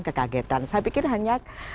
kekagetan saya pikir hanya